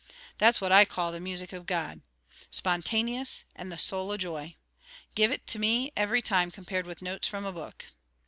That's what I call the music o' God, spontaneous, and the soul o' joy. Give it me every time compared with notes frae a book.